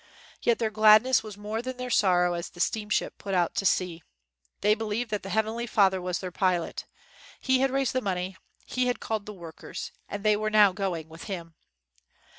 Yet their gladness was more than their sorrow as the steam ship put out to sea. They believed that the Heavenly Father was their pilot. He had raised the money. He had called his work ers, and they were now going with him.